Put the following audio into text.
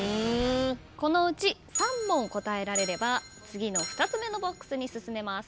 このうち３問答えられれば次の２つ目のＢＯＸに進めます。